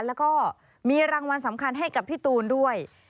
แล้วก็มีรางวัลสำคัญให้กับพี่ตูนด้วย